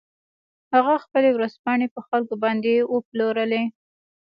هغه خپلې ورځپاڼې په خلکو باندې وپلورلې.